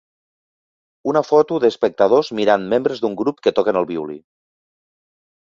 Una foto d'espectadors mirant membres d'un grup que toquen el violí.